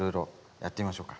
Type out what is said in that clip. やってみましょうか。